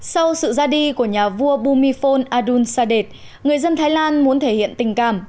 sau sự ra đi của nhà vua bumifol adul sadet người dân thái lan muốn thể hiện tình cảm